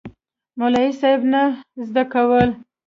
مولوي صېب نه زده کول